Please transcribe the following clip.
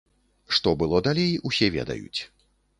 Што было далей, усе ведаюць.